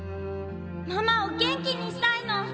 ママを元気にしたいの！